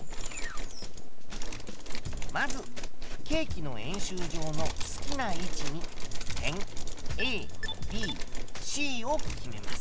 まずケーキの円周上の好きな位置に点ＡＢＣを決めます。